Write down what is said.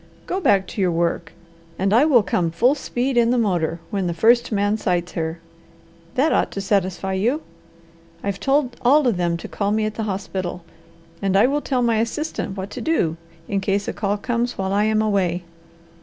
Go back to your work, and I will come full speed in the motor when the first man sights her. That ought to satisfy you. I've told all of them to call me at the hospital, and I will tell my assistant what to do in case a call comes while I am away.